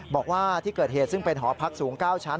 บอกว่าที่เกิดเหตุซึ่งเป็นหอพักสูง๙ชั้น